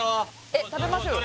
えっ食べましょうよ